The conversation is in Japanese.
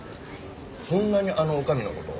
そんなにあの女将の事を？